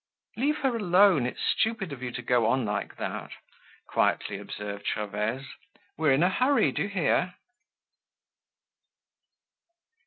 "Leave her alone; it's stupid of you to go on like that," quietly observed Gervaise. "We're in a hurry, do you hear?"